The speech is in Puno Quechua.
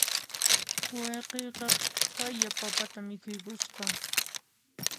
Wayqiyqa haya papata mikhuykusqa.